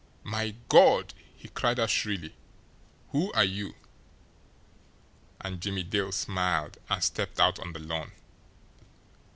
"My God!" he cried out shrilly. "Who are you?" And Jimmie Dale smiled and stepped out on the lawn.